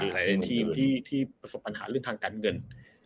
หลายทีมที่ประสบปัญหาเรื่องทางการเงิน